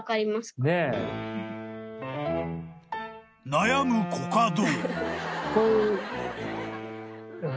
［悩むコカド］